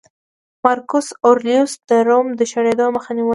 مارکوس اورلیوس د روم د شړېدو مخه ونیوله